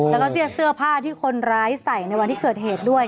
แล้วก็เสื้อผ้าที่คนร้ายใส่ในวันที่เกิดเหตุด้วย